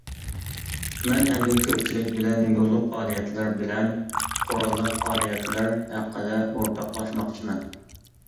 مەن ئەمدى كۆپچىلىك بىلەن يوللۇق پائالىيەتلەر بىلەن قوراللىق پائالىيەتلەر ھەققىدە ئورتاقلاشماقچىمەن.